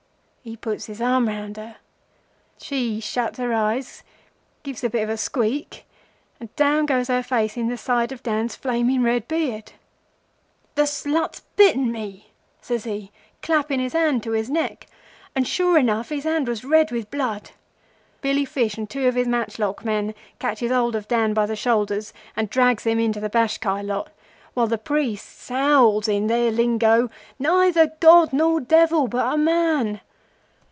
He puts his arm round her. She shuts her eyes, gives a bit of a squeak, and down goes her face in the side of Dan's flaming red beard. "'The slut's bitten me!' says he, clapping his hand to his neck, and, sure enough, his hand was red with blood. Billy Fish and two of his matchlock men catches hold of Dan by the shoulders and drags him into the Bashkai lot, while the priests howls in their lingo,—'Neither god nor devil but a man!